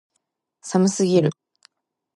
寒すぎる